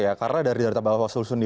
ini adalah penambahan kasus di indonesia